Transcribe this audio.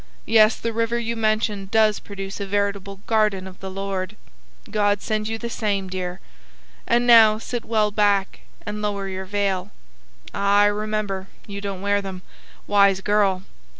Yes, the river you mentioned does produce a veritable 'garden of the Lord.' God send you the same, dear. And now, sit well back, and lower your veil. Ah, I remember, you don't wear them. Wise girl!